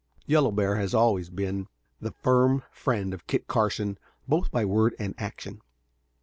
Yellow Bear has always been the firm friend of Kit Carson both by word and action.